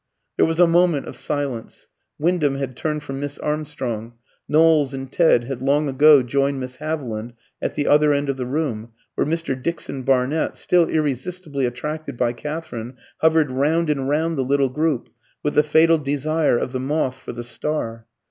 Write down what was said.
There was a moment of silence. Wyndham had turned from Miss Armstrong; Knowles and Ted had long ago joined Miss Haviland at the other end of the room, where Mr. Dixon Barnett, still irresistibly attracted by Katherine, hovered round and round the little group, with the fatal "desire of the moth for the star."